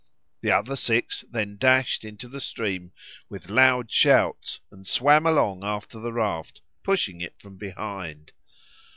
The other six then dashed into the stream with loud shouts and swam along after the raft, pushing it from behind.